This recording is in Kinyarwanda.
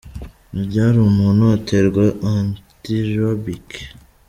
Ni ryari umuntu aterwa Anti rabbic ?.